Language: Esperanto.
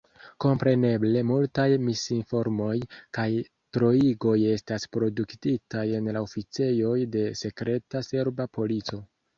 Kompreneble, multaj misinformoj kaj troigoj estas produktitaj en la oficejoj de sekreta serba polico.